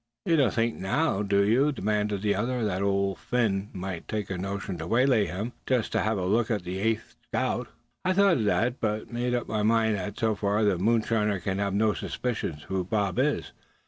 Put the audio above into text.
"You don't think now, do you," demanded the other, "that Old Phin might take a notion to waylay him, just to have a look at the eighth scout?" "I've thought of that, but made up my mind that so far the moonshiner can have no suspicion who Bob is.